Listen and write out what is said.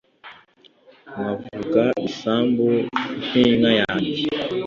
nkavuga isambu n'inka yanjye